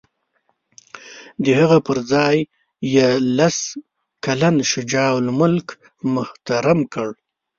د هغه پر ځای یې لس کلن شجاع الملک مهتر کړ.